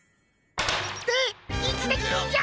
でいつできるんじゃ？